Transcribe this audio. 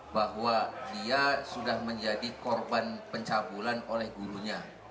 bahwa dia sudah menjadi korban pencabulan oleh gurunya